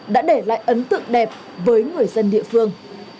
đã để lại ấn tượng đẹp với người dân địa phương